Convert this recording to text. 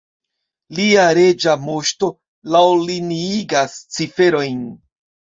Lia Reĝa Moŝto laŭliniigas ciferojn.